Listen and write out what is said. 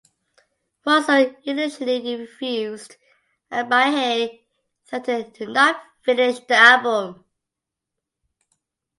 Russo initially refused and Bahia threatened to not finish the album.